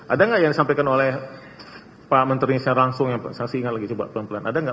ada gak yang disampaikan oleh pak menteri secara langsung saksi ingat lagi coba pelan pelan